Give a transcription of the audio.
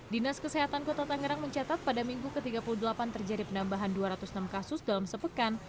dinas kesehatan kota tangerang mencatat pada minggu ke tiga puluh delapan terjadi penambahan dua ratus enam kasus dalam sepekan